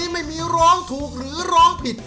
ไม่มีร้องถูกหรือร้องผิด